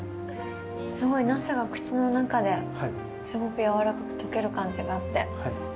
すごいナスが口の中ですごくやわらかく溶ける感じがあって。